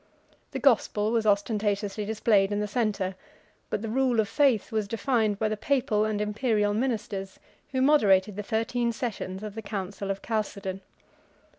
The gospel was ostentatiously displayed in the centre, but the rule of faith was defined by the Papal and Imperial ministers, who moderated the thirteen sessions of the council of Chalcedon.